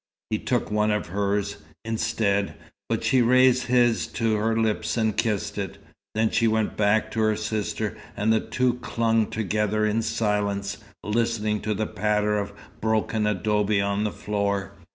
He took one of hers, instead, but she raised his to her lips and kissed it. Then she went back to her sister, and the two clung together in silence, listening to the patter of broken adobe on the floor.